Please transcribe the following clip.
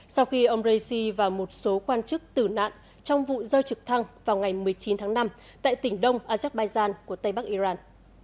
sau khi ông raisi và một số quan chức tử nạn trong vụ rơi trực thăng vào ngày một mươi chín tháng năm tại tỉnh đông azerbaijan của tây bắc iran